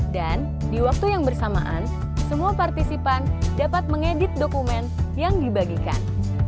dan di waktu yang bersamaan semua partisipan dapat mengedit dokumen yang dibagikan